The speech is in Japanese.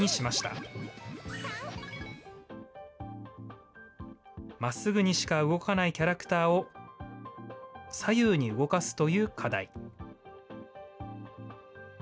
まっすぐにしか動かないキャラクターを、左右に動かすという課題。